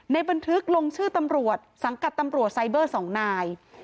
บันทึกลงชื่อตำรวจสังกัดตำรวจไซเบอร์๒นาย